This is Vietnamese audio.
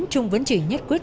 trung vẫn chỉ nhất quyết